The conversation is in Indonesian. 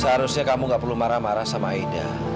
seharusnya kamu gak perlu marah marah sama aida